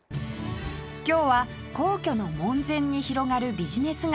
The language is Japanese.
今日は皇居の門前に広がるビジネス街